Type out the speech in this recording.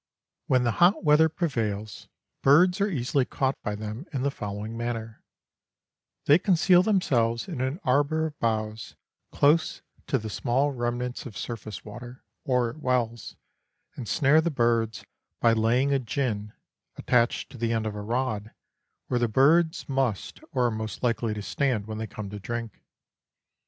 When, the hot weather prevails, birds are easily caught by them in the following manner : They conceal themselves in an arbour of boughs, close to the small remnants of surface water, or at wells, and snare the birds by laying a gin (attached to the eud of a rod) where the birds must or are most likely to stand when they come to drink.